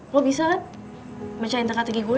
lo bisa kan bacain tegak tegi gue